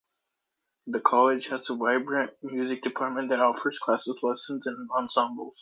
The college has a vibrant music department that offers classes, lessons, and ensembles.